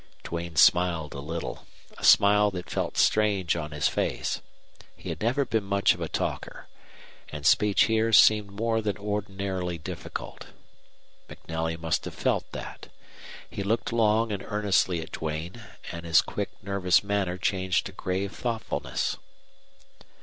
Duane smiled a little a smile that felt strange on his face. He had never been much of a talker. And speech here seemed more than ordinarily difficult. MacNelly must have felt that. He looked long and earnestly at Duane, and his quick, nervous manner changed to grave thoughtfulness.